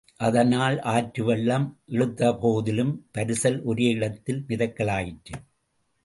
அதனால் ஆற்றுவெள்ளம் இழுத்தபோதிலும் பரிசல் ஒரே இடத்தில் மிதக்கலாயிற்று.